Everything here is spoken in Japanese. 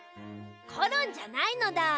コロンじゃないのだ。